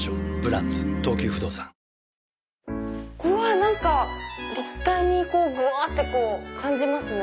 何か立体にこうぐわって感じますね。